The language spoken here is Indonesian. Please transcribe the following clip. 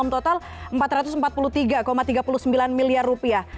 total empat ratus empat puluh tiga tiga puluh sembilan miliar rupiah